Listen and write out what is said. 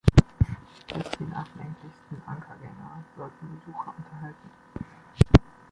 Selbst die nachdenklichsten Ankergänger sollten Besucher unterhalten.